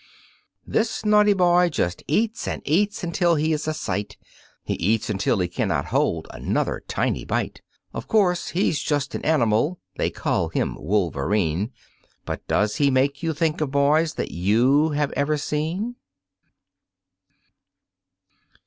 This naughty boy just eats and eats until he is a sight, He eats until he cannot hold another tiny bite. Of course, he's just an animal they call him Wolverine But does he make you think of boys that you have ever seen?